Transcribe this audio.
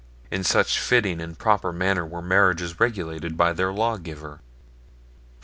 In such fitting and proper manner were marriages regulated by their lawgiver. IV.